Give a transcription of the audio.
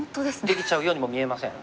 できちゃうようにも見えません？